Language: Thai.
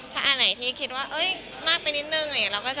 ถ้าอันไหนที่คิดว่าเอ้ยมากไปนิดนึง